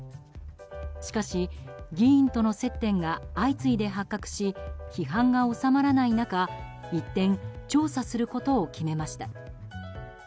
しかし、議員との接点が相次いで発覚し批判が収まらない中、一転調査することを決めました。